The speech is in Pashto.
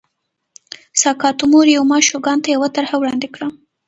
ساکاتومو ریوما شوګان ته یوه طرحه وړاندې کړه.